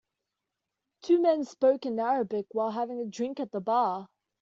Two men spoke in Arabic while having a drink at the bar.